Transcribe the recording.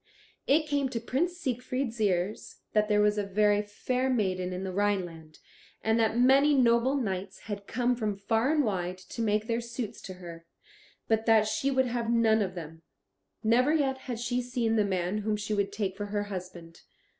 It came to Prince Siegfried's ears that there was a very fair maiden in the Rhineland, and that many noble knights had come from far and wide to make their suits to her, but that she would have none of them. Never yet had she seen the man whom she would take for her husband.